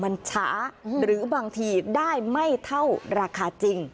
มันช้าหรือบางทีได้ไม่เท่าราคาจริง